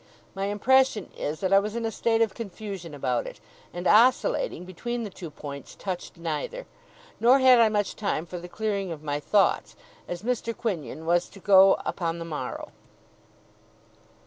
My impression is, that I was in a state of confusion about it, and, oscillating between the two points, touched neither. Nor had I much time for the clearing of my thoughts, as Mr. Quinion was to go upon the morrow.